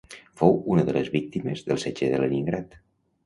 Fou una de les víctimes del setge de Leningrad.